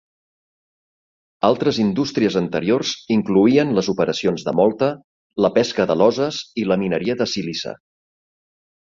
Altres indústries anteriors incloïen les operacions de molta, la pesca d'aloses i la mineria de sílice.